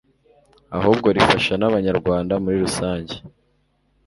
ahubwo rifasha n'Abanyarwanda muri rusange